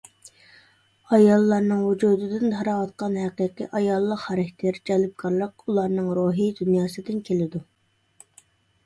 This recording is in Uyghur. ئاياللارنىڭ ۋۇجۇدىدىن تاراۋاتقان ھەقىقىي ئاياللىق خاراكتېر، جەلپكارلىق ئۇلارنىڭ روھىي دۇنياسىدىن كېلىدۇ.